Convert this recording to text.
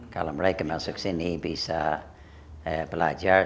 kalau mereka masuk sini bisa belajar